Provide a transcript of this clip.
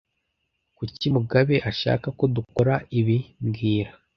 Kuki Mugabe ashaka ko dukora ibi mbwira